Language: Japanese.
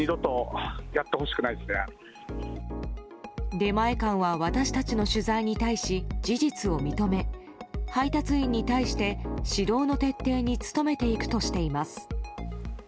出前館は、私たちの取材に対し事実を認め配達員に対して、指導の徹底に努めていくとしています。